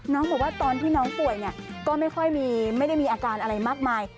น้องบอกว่าตอนที่น้องป่วยก็ไม่ได้มีอาการอะไรมากมาย